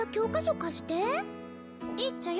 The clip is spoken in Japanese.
いいっちゃよ。